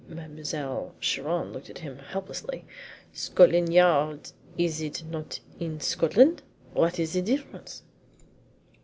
Mademoiselle Chiron looked at him helplessly. "Scotland Yard is it not in Scotland? What is the difference?"